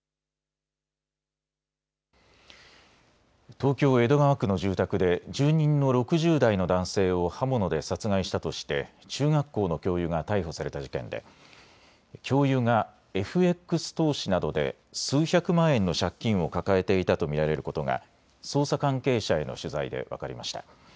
東京江戸川区の住宅で住人の６０代の男性を刃物で殺害したとして中学校の教諭が逮捕された事件で教諭がＦＸ投資などで数百万円の借金を抱えていたと見られることが捜査関係者への取材で分かりました。